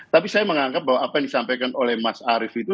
tapi saya menganggap bahwa apa yang disampaikan oleh mas arief itu